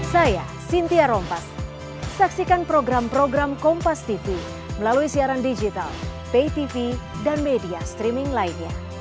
saya sintia rompas saksikan program program kompastv melalui siaran digital paytv dan media streaming lainnya